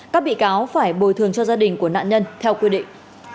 các bị cáo phải bồi thường cho gia đình của nạn nhân theo quy định